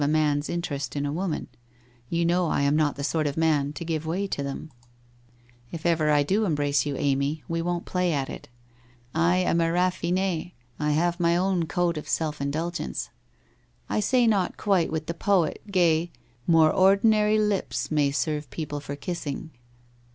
•' man's interest in a woman, you know r am not the sort of man to give way to them. If ever I 134 WHITE ROSE OF WEARY LEAF do embrace you, Amy, we won't play at it. I am a rcifline — I have my own code of self indulgence. I say, not quite with the poet Gay —" More ord'nary lips may serve people for kissing!"